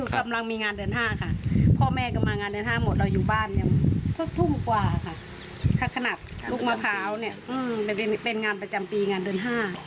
ขนาดลูกมะพร้าวเนี่ยเป็นงานประจำปีงานเดือนห้า